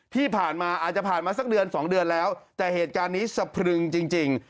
ที่ผ่านมาอาจจะผ่านมาสักเดือนสองเดือนแล้วแต่เหตุการณ์นี้สะพรึงจริง